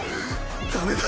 ダメだ。